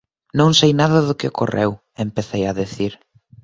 Non sei nada do que ocorreu... –empecei a dicir.